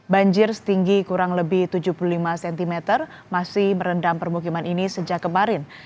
banjir setinggi kurang lebih tujuh puluh lima cm masih merendam permukiman ini sejak kemarin